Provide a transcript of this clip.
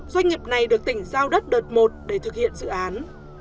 doanh nghiệp này được tỉnh giao đất đợt một để thực hiện dự án